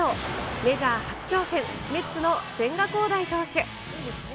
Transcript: メジャー初挑戦、メッツの千賀滉大選手。